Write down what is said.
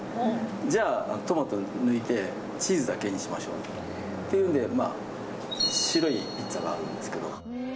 じゃあトマト抜いてチーズだけにしましょうっていうので白いピッツァなんですけど。